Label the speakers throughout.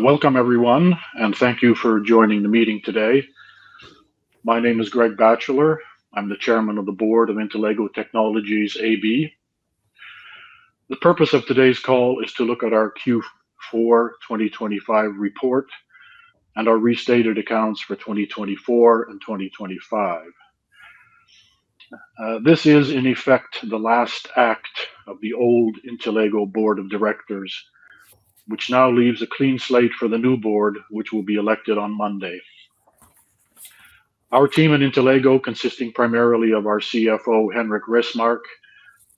Speaker 1: Welcome everyone, and thank you for joining the meeting today. My name is Greg Batcheller. I'm the Chairman of the Board of Intellego Technologies AB. The purpose of today's call is to look at our Q4 2025 report and our restated accounts for 2024 and 2025. This is, in effect, the last act of the old Intellego board of directors, which now leaves a clean slate for the new board, which will be elected on Monday. Our team at Intellego, consisting primarily of our CFO, Henrik Resmark,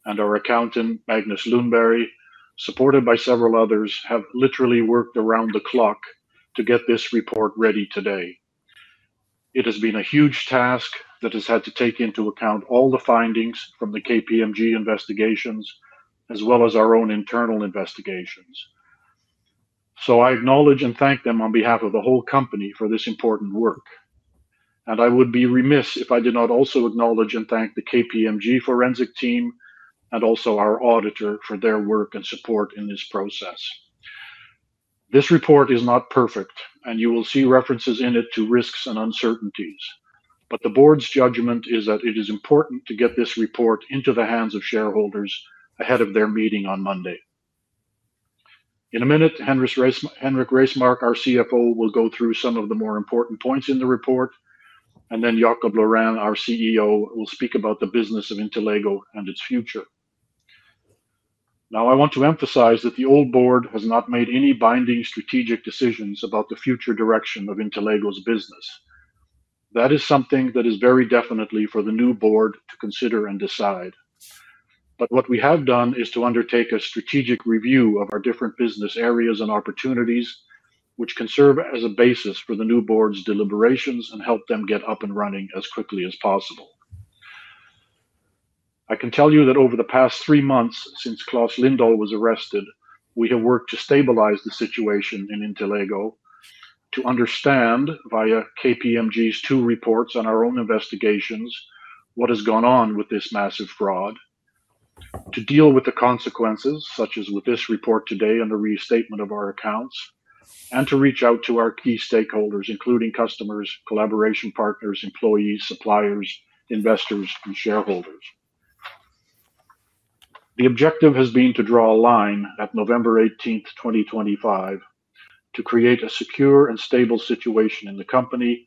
Speaker 1: and our accountant, Magnus Lundberg, supported by several others, have literally worked around the clock to get this report ready today. It has been a huge task that has had to take into account all the findings from the KPMG investigations, as well as our own internal investigations. So I acknowledge and thank them on behalf of the whole company for this important work, and I would be remiss if I did not also acknowledge and thank the KPMG forensic team and also our auditor for their work and support in this process. This report is not perfect, and you will see references in it to risks and uncertainties, but the board's judgment is that it is important to get this report into the hands of shareholders ahead of their meeting on Monday. In a minute, Henrik Resmark, our CFO, will go through some of the more important points in the report, and then Jacob Laurin, our CEO, will speak about the business of Intellego and its future. Now, I want to emphasize that the old board has not made any binding strategic decisions about the future direction of Intellego's business. That is something that is very definitely for the new board to consider and decide. But what we have done is to undertake a strategic review of our different business areas and opportunities, which can serve as a basis for the new board's deliberations and help them get up and running as quickly as possible. I can tell you that over the past three months, since Claes Lindahl was arrested, we have worked to stabilize the situation in Intellego, to understand, via KPMG's two reports on our own investigations, what has gone on with this massive fraud, to deal with the consequences, such as with this report today and the restatement of our accounts, and to reach out to our key stakeholders, including customers, collaboration partners, employees, suppliers, investors, and shareholders. The objective has been to draw a line at November 18th, 2025, to create a secure and stable situation in the company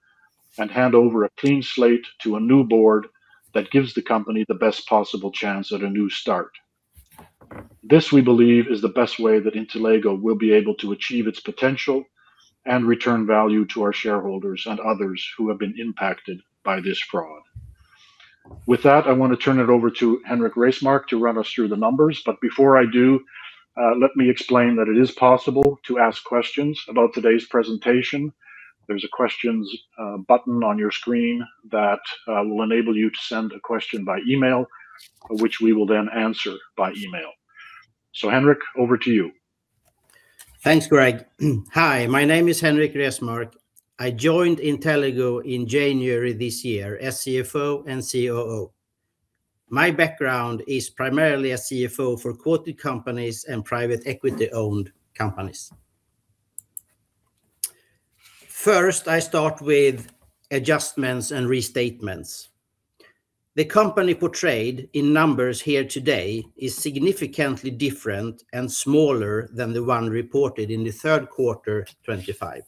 Speaker 1: and hand over a clean slate to a new board that gives the company the best possible chance at a new start. This, we believe, is the best way that Intellego will be able to achieve its potential and return value to our shareholders and others who have been impacted by this fraud. With that, I want to turn it over to Henrik Resmark to run us through the numbers. But before I do, let me explain that it is possible to ask questions about today's presentation. There's a questions button on your screen that will enable you to send a question by email, which we will then answer by email. So, Henrik, over to you.
Speaker 2: Thanks, Greg. Hi, my name is Henrik Resmark. I joined Intellego in January this year as CFO and COO. My background is primarily a CFO for quoted companies and private equity-owned companies. First, I start with adjustments and restatements. The company portrayed in numbers here today is significantly different and smaller than the one reported in the third quarter, 2025.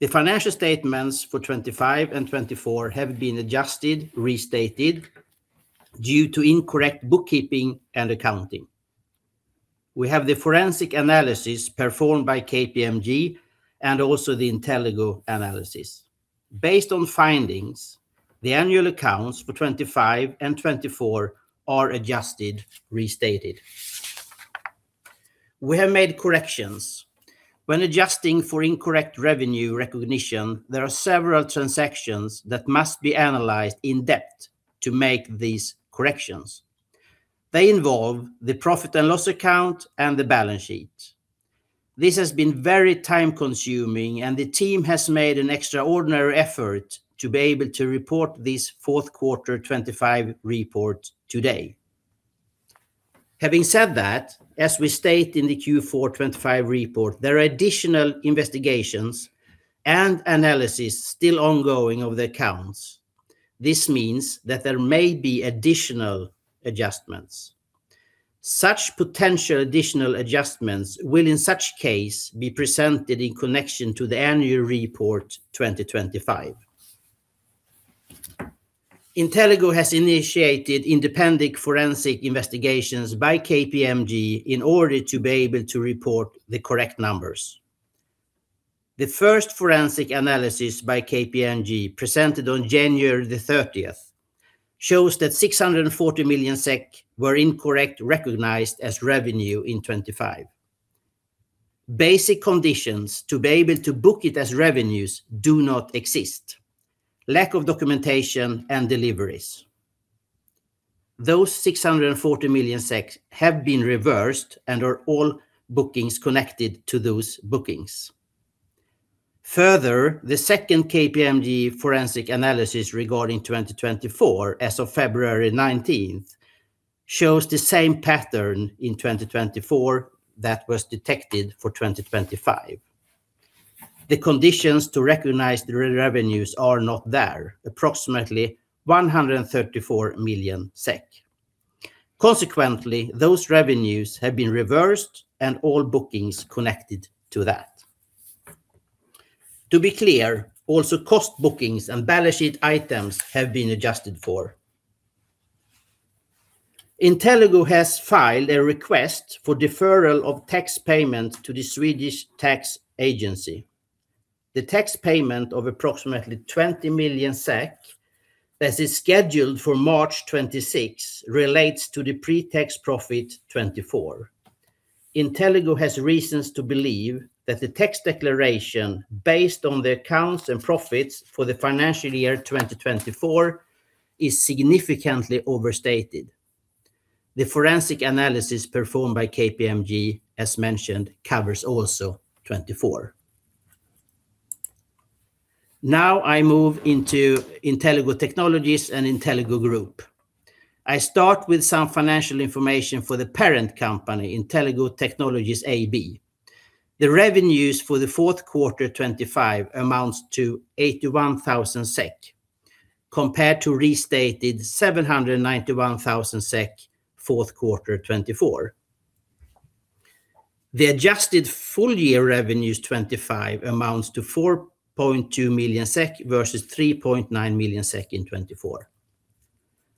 Speaker 2: The financial statements for 2025 and 2024 have been adjusted, restated due to incorrect bookkeeping and accounting. We have the forensic analysis performed by KPMG and also the Intellego analysis. Based on findings, the annual accounts for 2025 and 2024 are adjusted, restated. We have made corrections. When adjusting for incorrect revenue recognition, there are several transactions that must be analyzed in depth to make these corrections. They involve the profit and loss account and the balance sheet. This has been very time-consuming, and the team has made an extraordinary effort to be able to report this fourth quarter 2025 report today. Having said that, as we state in the Q4 2025 report, there are additional investigations and analysis still ongoing over the accounts. This means that there may be additional adjustments. Such potential additional adjustments will, in such case, be presented in connection to the annual report 2025. Intellego has initiated independent forensic investigations by KPMG in order to be able to report the correct numbers. The first forensic analysis by KPMG, presented on January 30th, shows that 640 million SEK were incorrect, recognized as revenue in 2025. Basic conditions to be able to book it as revenues do not exist, lack of documentation and deliveries. Those 640 million have been reversed and are all bookings connected to those bookings?... Further, the second KPMG forensic analysis regarding 2024, as of February 19th, shows the same pattern in 2024 that was detected for 2025. The conditions to recognize the revenues are not there, approximately 134 million SEK. Consequently, those revenues have been reversed and all bookings connected to that. To be clear, also, cost bookings and balance sheet items have been adjusted for. Intellego has filed a request for deferral of tax payment to the Swedish Tax Agency. The tax payment of approximately 20 million SEK, that is scheduled for March 26, relates to the pre-tax profit 2024. Intellego has reasons to believe that the tax declaration, based on the accounts and profits for the financial year 2024, is significantly overstated. The forensic analysis performed by KPMG, as mentioned, covers also 2024. Now, I move into Intellego Technologies and Intellego Group. I start with some financial information for the parent company, Intellego Technologies AB. The revenues for the fourth quarter 2025 amounts to 81 thousand SEK, compared to restated 791 thousand SEK, fourth quarter 2024. The adjusted full year revenues 2025 amounts to 4.2 million SEK versus 3.9 million SEK in 2024.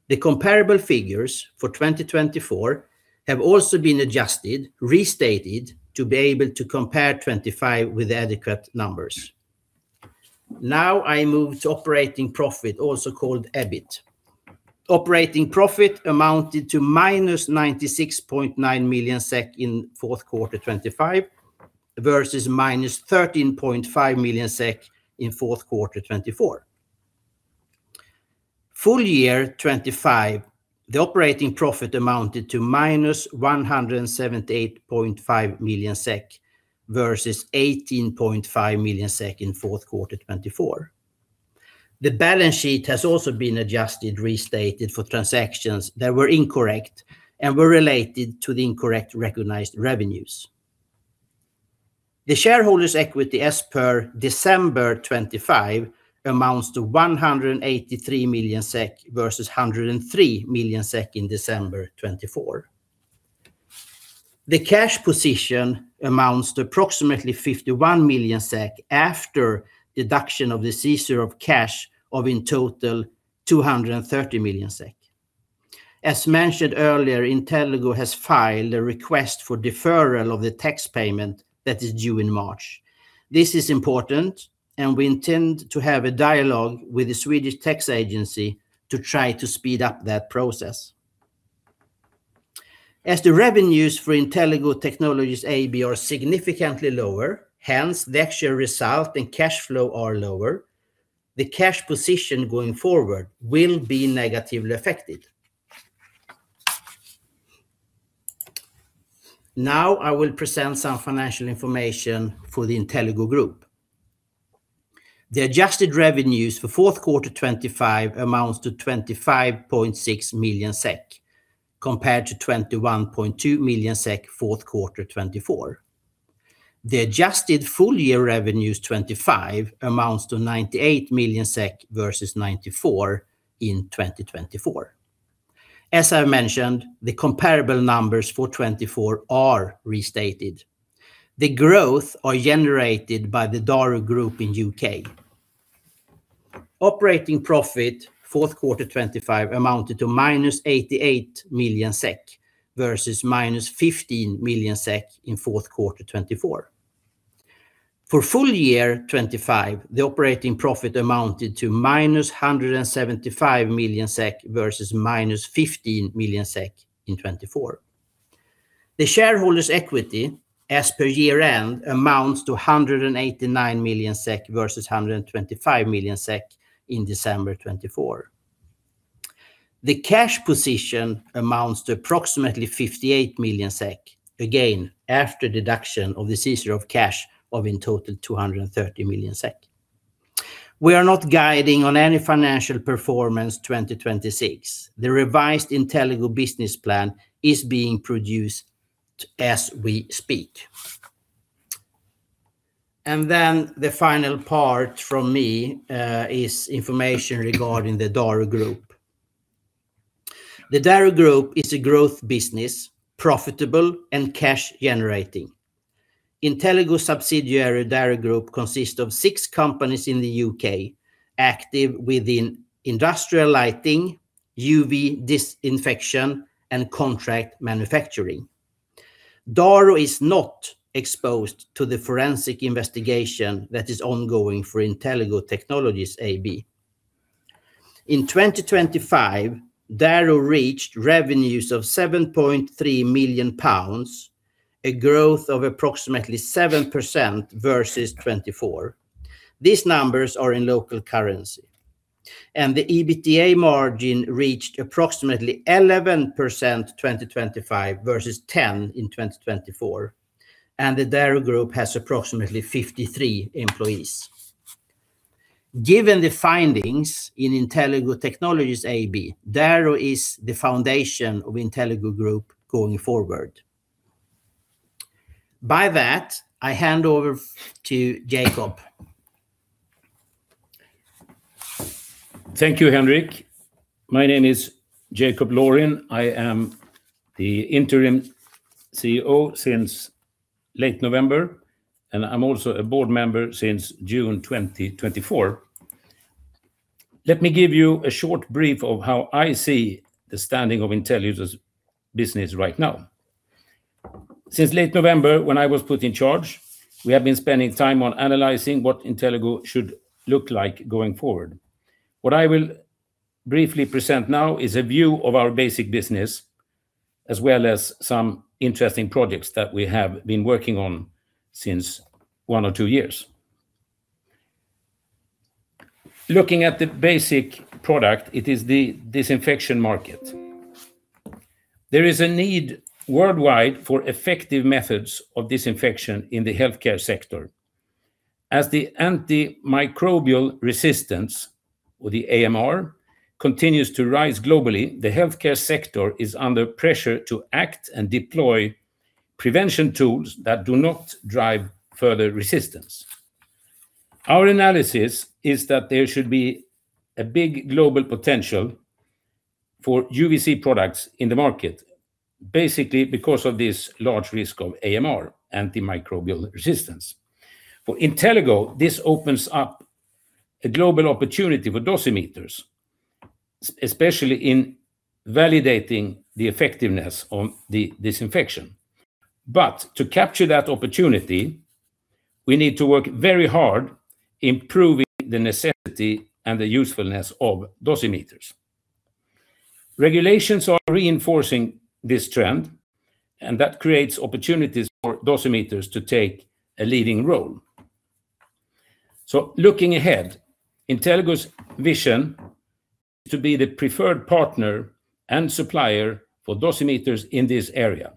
Speaker 2: The comparable figures for 2024 have also been adjusted, restated, to be able to compare 2025 with adequate numbers. Now, I move to operating profit, also called EBIT. Operating profit amounted to -96.9 million SEK in fourth quarter 2025, versus -13.5 million SEK in fourth quarter 2024. Full year 2025, the operating profit amounted to -178.5 million SEK versus 18.5 million SEK in fourth quarter 2024. The balance sheet has also been adjusted, restated for transactions that were incorrect and were related to the incorrect recognized revenues. The shareholders' equity, as per December 2025, amounts to 183 million SEK versus 103 million SEK in December 2024. The cash position amounts to approximately 51 million SEK after deduction of the seizure of cash of in total, 230 million SEK. As mentioned earlier, Intellego has filed a request for deferral of the tax payment that is due in March. This is important, and we intend to have a dialogue with the Swedish Tax Agency to try to speed up that process. As the revenues for Intellego Technologies AB are significantly lower, hence, the actual result and cash flow are lower, the cash position going forward will be negatively affected. Now, I will present some financial information for the Intellego Group. The adjusted revenues for fourth quarter 2025 amount to 25.6 million SEK, compared to 21.2 million SEK, fourth quarter 2024. The adjusted full year revenues 2025 amount to 98 million SEK versus 94 in 2024. As I mentioned, the comparable numbers for 2024 are restated. The growth are generated by the Daro Group in UK. Operating profit, fourth quarter 2025, amounted to -88 million SEK versus -15 million SEK in fourth quarter 2024. For full year 2025, the operating profit amounted to -175 million SEK versus -15 million SEK in 2024. The shareholders' equity, as per year-end, amounts to 189 million SEK versus 125 million SEK in December 2024. The cash position amounts to approximately 58 million SEK, again, after deduction of the seizure of cash of in total, 230 million SEK. We are not guiding on any financial performance 2026. The revised Intellego business plan is being produced as we speak. Then the final part from me is information regarding the Daro Group. The Daro Group is a growth business, profitable and cash generating. Intellego subsidiary, Daro Group, consists of six companies in the U.K., active within industrial lighting, UV disinfection, and contract manufacturing. Daro is not exposed to the forensic investigation that is ongoing for Intellego Technologies AB. In 2025, Daro reached revenues of 7.3 million pounds, a growth of approximately 7% versus 2024. These numbers are in local currency.... The EBITDA margin reached approximately 11%, 2025 versus 10% in 2024, and the Daro Group has approximately 53 employees. Given the findings in Intellego Technologies AB, Daro is the foundation of Intellego Group going forward. By that, I hand over to Jacob.
Speaker 3: Thank you, Henrik. My name is Jacob Laurin. I am the interim CEO since late November, and I'm also a board member since June 2024. Let me give you a short brief of how I see the standing of Intellego's business right now. Since late November, when I was put in charge, we have been spending time on analyzing what Intellego should look like going forward. What I will briefly present now is a view of our basic business, as well as some interesting projects that we have been working on since one or two years. Looking at the basic product, it is the disinfection market. There is a need worldwide for effective methods of disinfection in the healthcare sector. As the antimicrobial resistance, or the AMR, continues to rise globally, the healthcare sector is under pressure to act and deploy prevention tools that do not drive further resistance. Our analysis is that there should be a big global potential for UVC products in the market, basically because of this large risk of AMR, antimicrobial resistance. For Intellego, this opens up a global opportunity for dosimeters, especially in validating the effectiveness of the disinfection. But to capture that opportunity, we need to work very hard improving the necessity and the usefulness of dosimeters. Regulations are reinforcing this trend, and that creates opportunities for dosimeters to take a leading role. So looking ahead, Intellego's vision to be the preferred partner and supplier for dosimeters in this area,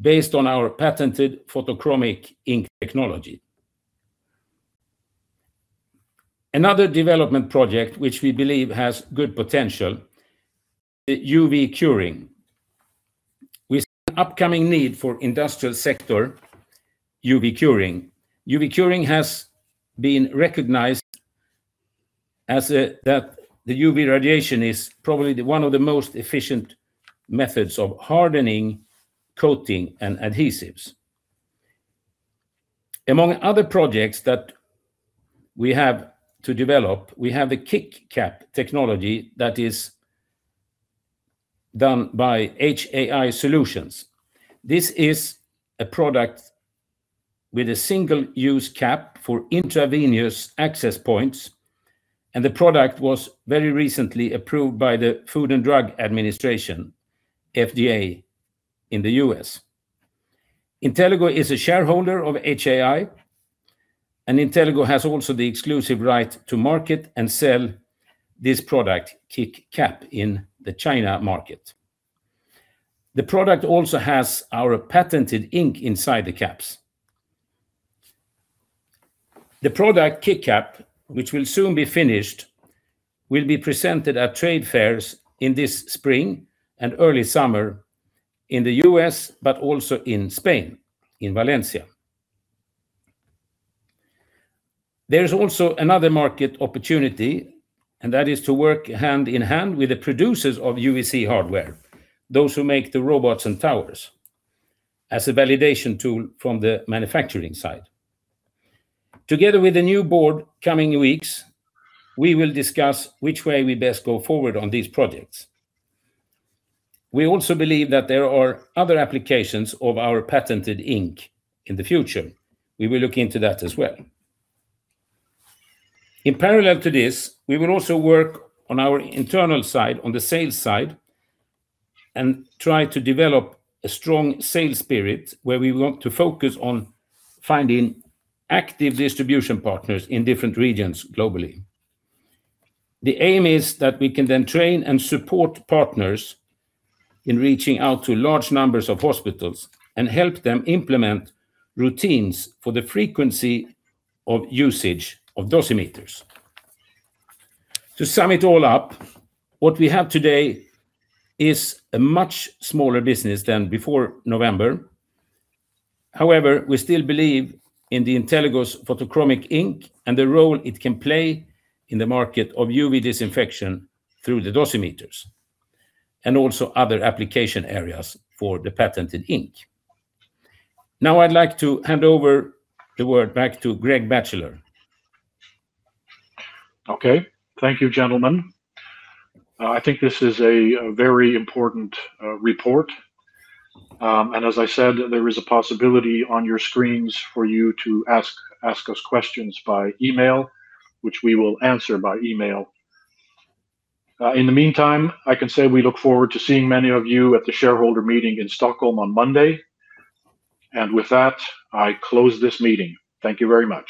Speaker 3: based on our patented photochromic ink technology. Another development project which we believe has good potential, the UV curing. With the upcoming need for industrial sector, UV curing. UV curing has been recognized as that the UV radiation is probably the one of the most efficient methods of hardening, coating, and adhesives. Among other projects that we have to develop, we have the QIKcap technology that is done by HAI Solutions. This is a product with a single-use cap for intravenous access points, and the product was very recently approved by the Food and Drug Administration, FDA, in the U.S. Intellego is a shareholder of HAI, and Intellego has also the exclusive right to market and sell this product, QIKcap, in the China market. The product, QIKcap, which will soon be finished, will be presented at trade fairs in this spring and early summer in the U.S., but also in Spain, in Valencia. There is also another market opportunity, and that is to work hand in hand with the producers of UVC hardware, those who make the robots and towers, as a validation tool from the manufacturing side. Together with the new board, coming weeks, we will discuss which way we best go forward on these projects. We also believe that there are other applications of our patented ink in the future. We will look into that as well. In parallel to this, we will also work on our internal side, on the sales side, and try to develop a strong sales spirit, where we want to focus on finding active distribution partners in different regions globally. The aim is that we can then train and support partners in reaching out to large numbers of hospitals and help them implement routines for the frequency of usage of dosimeters. To sum it all up, what we have today is a much smaller business than before November. However, we still believe in the Intellego's photochromic ink and the role it can play in the market of UV disinfection through the dosimeters, and also other application areas for the patented ink. Now, I'd like to hand over the word back to Greg Batcheller.
Speaker 1: Okay. Thank you, gentlemen. I think this is a very important report. And as I said, there is a possibility on your screens for you to ask us questions by email, which we will answer by email. In the meantime, I can say we look forward to seeing many of you at the shareholder meeting in Stockholm on Monday. And with that, I close this meeting. Thank you very much.